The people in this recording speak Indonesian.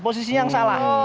posisinya yang salah